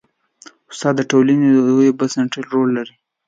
استاد د ټولنې د ودې بنسټیز رول لري.